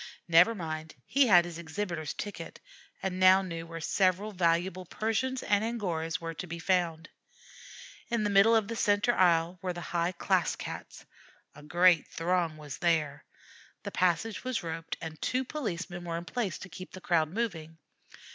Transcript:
Never mind; he had his exhibitor's ticket, and now knew where several valuable Persians and Angoras were to be found. In the middle of the centre aisle were the high class Cats. A great throng was there. The passage was roped, and two policemen were in place to keep the crowd moving.